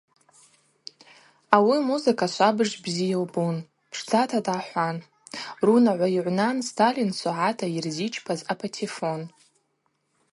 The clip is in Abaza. Ауи музыка швабыж бзи йылбун, пшдзата дгӏахӏвуан – рунагӏва йыгӏвнан Сталин согӏата йырзичпаз апатефон.